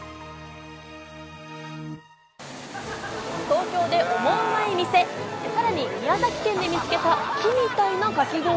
東京でオモウマい店、さらに宮崎県で見つけた木みたいなかき氷。